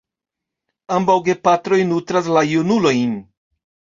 Ambaŭ gepatroj nutras la junulojn.